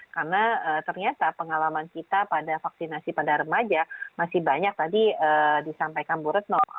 karena ternyata pengalaman kita pada vaksinasi pada remaja masih banyak tadi disampaikan bu retno